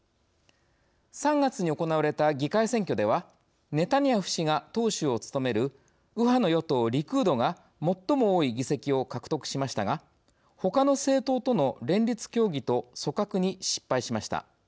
３月に行われた議会選挙ではネタニヤフ氏が党首を務める右派の与党リクードが最も多い議席を獲得しましたがほかの政党との連立協議と組閣に失敗しました。